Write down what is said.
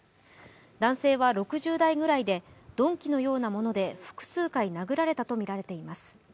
男性は６０代ぐらいで鈍器のようなもので複数回殴られたとみられています。